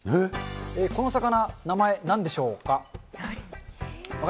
この魚、名前、なんでしょうか？